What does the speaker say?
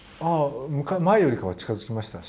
前よりかは近づきました。